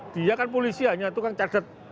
dia kan polisi hanya tukang cadat